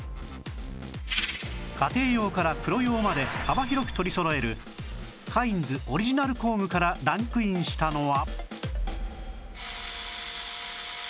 家庭用からプロ用まで幅広く取りそろえるカインズオリジナル工具からランクインしたのは